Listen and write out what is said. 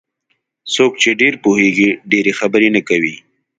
څوک چې ډېر پوهېږي ډېرې خبرې نه کوي.